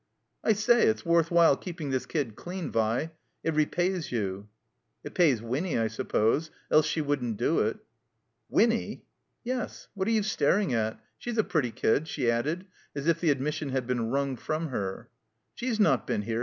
I say, it's worth while keeping this kid dean, Vi. It repays you." •'It pays Winny, I suppose. Else she wouldn't do it." "Yes. What are you staring at? She's a pretty kid," she added, as if the admission had been wrung from her. •'She's not been here?"